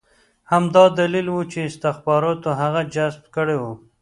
همدا دلیل و چې استخباراتو هغه جذب کړی و